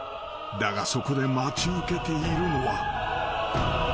［だがそこで待ち受けているのは］